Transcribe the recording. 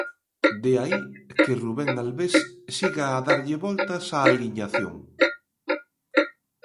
De aí que Rubén Albés siga a darlle voltas á aliñación.